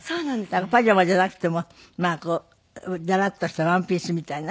だからパジャマじゃなくてもまあこうダラッとしたワンピースみたいな。